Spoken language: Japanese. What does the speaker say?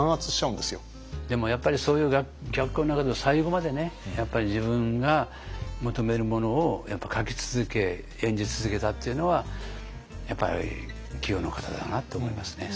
でもやっぱりそういう逆境の中で最後までね自分が求めるものを書き続け演じ続けたっていうのはやっぱり器用な方だなと思いますね。